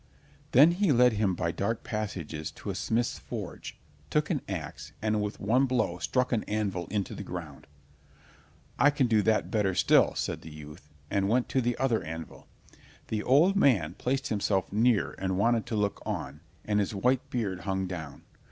Then he led him by dark passages to a smith's forge, took an ax, and with one blow struck an anvil into the ground. "I can do that better still," said the youth, and went to the other anvil. The old man placed himself near and wanted to look on, and his white heard hung down.